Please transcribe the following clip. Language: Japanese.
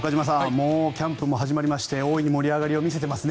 もうキャンプも始まりまして大いに盛り上がりを見せていますね。